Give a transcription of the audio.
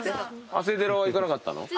長谷寺は行かなかったの？